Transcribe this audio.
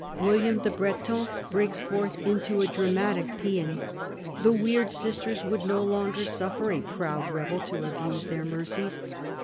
William the Breton breaks forth into a dramatic paean. The weird sisters would no longer suffer a proud rebel to abuse their mercies.